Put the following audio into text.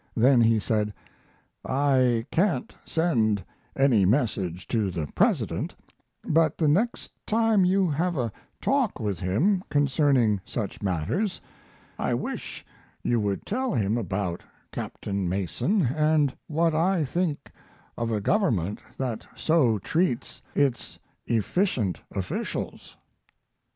Then he said: I can't send any message to the President, but the next time you have a talk with him concerning such matters I wish you would tell him about Captain Mason and what I think of a Government that so treats its efficient officials.